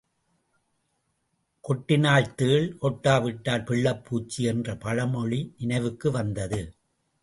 கொட்டினால் தேள், கொட்டாவிட்டால் பிள்ளைப்பூச்சி என்ற பழ மொழி நினைவுக்கு வந்தது.